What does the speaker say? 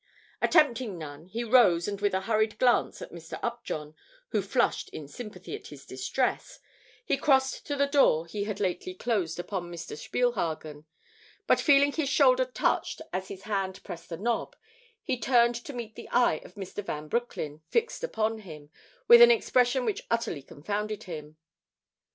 Attempting none, he rose and with a hurried glance at Mr. Upjohn who flushed in sympathy at his distress, he crossed to the door he had lately closed upon Mr. Spielhagen. But feeling his shoulder touched as his hand pressed the knob, he turned to meet the eye of Mr. Van Broecklyn fixed upon him with an expression which utterly confounded him.